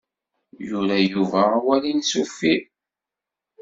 Yura Yuba awal-nnes uffir.